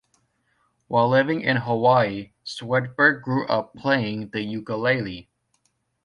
While living in Hawaii, Swedberg grew up playing the ukulele.